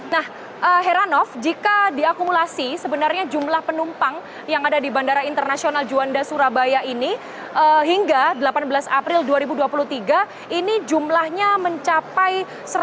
nah heranov jika diakumulasi sebenarnya jumlah penumpang yang ada di bandara internasional juanda surabaya ini hingga delapan belas april dua ribu dua puluh tiga ini jumlahnya mencapai satu ratus lima puluh